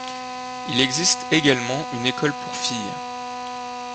Il existe également une école pour filles.